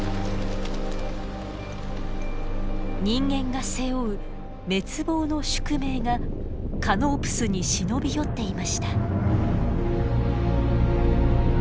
人間が背負う滅亡の宿命がカノープスに忍び寄っていました。